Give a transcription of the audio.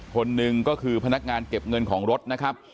คนหนึ่งก็คือพนักงานเก็บเงินของรถนะครับ